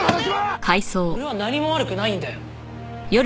俺は何も悪くないんだよ。